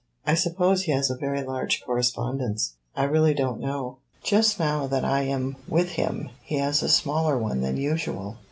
"I suppose he has a very large correspondence." "I really don't know. Just now that I am with him he has a smaller one than usual."